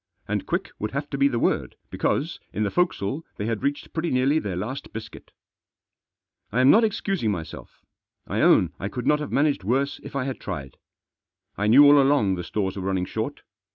And quick would have to be the word, because, in the forecastle they had reached pretty nearly their last biscuit. I am not excusing myself. I own I could not have managed worse if I had tried. I knew all along the stores were running short.